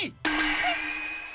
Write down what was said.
えっ？